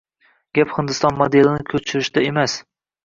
Gap Hindiston modelini koʻchirishda emas